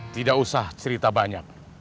tidak usah cerita banyak